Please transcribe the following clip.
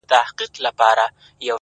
قدم کرار اخله زړه هم لکه ښيښه ماتېږي _